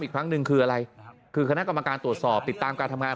อีกครั้งหนึ่งคืออะไรคือคณะกรรมการตรวจสอบติดตามการทำงาน